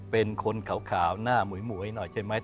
เป็นคนขาวหน้าหมวยหน่อยใช่ไหม